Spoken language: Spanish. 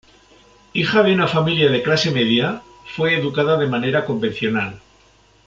Hija de una familia de clase media, fue educada de manera convencional.